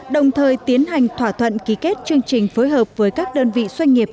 đồng thời tiến hành thỏa thuận ký kết chương trình phối hợp với các đơn vị doanh nghiệp